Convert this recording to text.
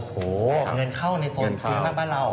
โอ้โหเงินเข้าในส่วนจริงมากปะเรา